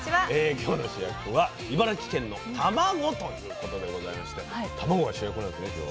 今日の主役は茨城県のたまごということでございましてたまごが主役なんですね今日は。